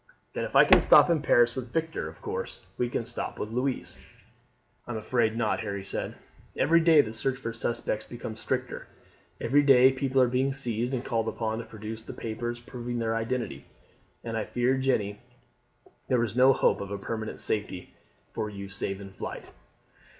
"Then if she can stop in Paris with Victor, of course we can stop with Louise?" "I am afraid not," Harry said. "Every day the search for suspects becomes stricter; every day people are being seized and called upon to produce the papers proving their identity; and I fear, Jeanne, there is no hope of permanent safety for you save in flight."